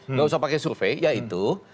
nggak usah pakai survei yaitu